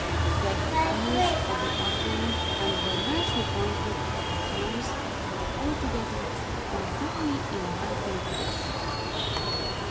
They had heels at the bottom and were nicely pointed at the toes, and, altogether, were very inviting to the foot.